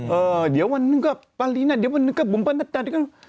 เออเดี๋ยววันนึงก็ปราลีน่ะเดี๋ยววันนึงก็